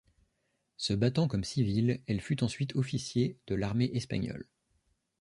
Se battant comme civile, elle fut ensuite officier de l'armée espagnole.